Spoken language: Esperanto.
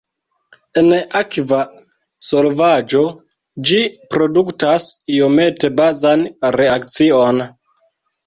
En akva solvaĵo ĝi produktas iomete bazan reakcion.